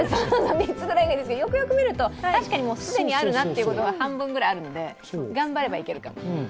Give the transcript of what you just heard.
３つぐらいなんですが、よくよく見ると、確かに既にあるなと、半分ぐらいあるので、頑張ればいけるかも。